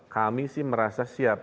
kami sih merasa siap